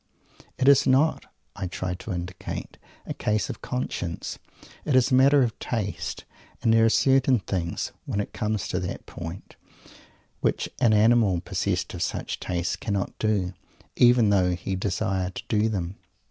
It is not, I try to indicate, a case of conscience; it is a matter of taste; and there are certain things, when it comes to that point, which an animal possessed of such taste cannot do, even though he desire to do them.